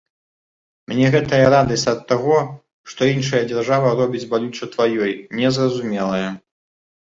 Мне гэтая радасць ад таго, што іншая дзяржава робіць балюча тваёй, не зразумелая.